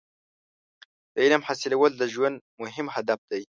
• د علم حاصلول د ژوند مهم هدف دی.